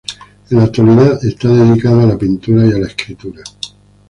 En la actualidad está dedicado a la pintura y a la escritura.